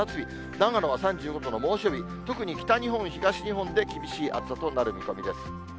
長野は３５度の猛暑日、特に北日本、東日本で厳しい暑さとなる見込みです。